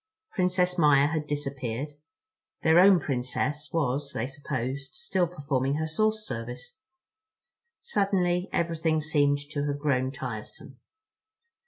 Princess Maia had disappeared. Their own Princess was, they supposed, still performing her source service. Suddenly everything seemed to have grown tiresome.